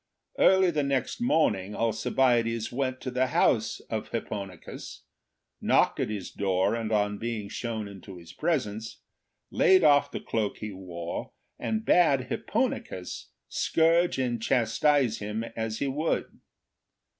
Early the next morning Alcibiades went to the house of Hipponicus, knocked at his door, and on being shown into his presence, laid off the cloak he wore and bade Hipponicus scourge and chastise him as he would.